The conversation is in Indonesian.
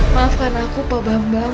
maafkan aku pak bambang